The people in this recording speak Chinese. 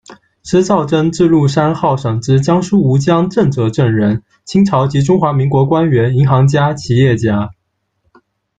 施肇曾字鹿珊，号省之，江苏吴江震泽镇人，清朝及中华民国官员、银行家、企业家。